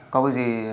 có việc gì